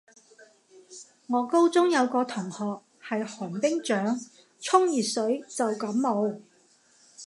我高中有個同學係寒冰掌，沖熱水就感冒